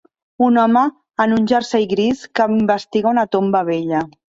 Un home en un jersei gris que investiga una tomba vella